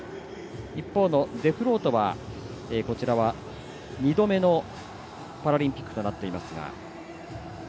一方のデフロートは２度目のパラリンピックとなっていますが。